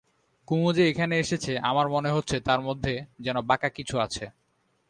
কুমু যে এখানে এসেছে আমার মনে হচ্ছে তার মধ্যে যেন বাঁকা কিছু আছে।